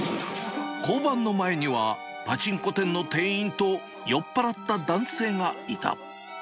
交番の前には、パチンコ店の店員と酔っ払った男性がいた。